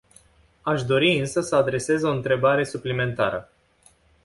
Aș dori însă să adresez o întrebare suplimentară.